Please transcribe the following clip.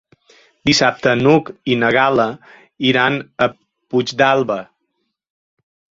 Dissabte n'Hug i na Gal·la iran a Puigdàlber.